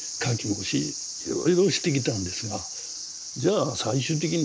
もしいろいろしてきたんですがじゃあ最終的に何なのか。